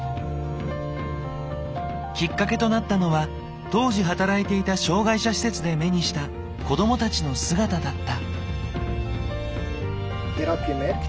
きっかけとなったのは当時働いていた障害者施設で目にした子どもたちの姿だった。